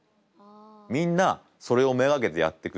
みんなそれを目がけてやってくる。